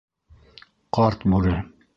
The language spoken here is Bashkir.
Ҡарт бүре...